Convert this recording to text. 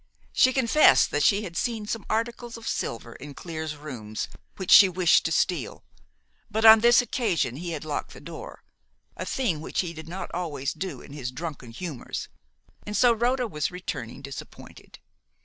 She confessed that she had seen some articles of silver in Clear's rooms which she wished to steal; but on this occasion he had locked the door a thing which he did not always do in his drunken humours and so Rhoda was returning disappointed.